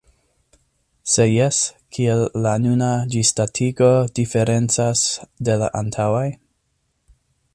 Se jes, kiel la nuna ĝisdatigo diferencas de la antaŭaj?